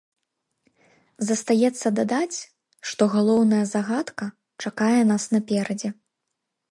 Застаецца дадаць, што галоўная загадка чакае нас наперадзе.